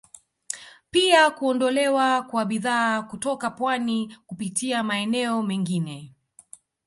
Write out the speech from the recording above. Pia kuondolewa kwa bidhaa kutoka pwani kupitia maeneo mengine